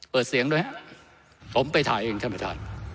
เปิดเสียงด้วยฮะผมไปถ่ายเองท่านประดาน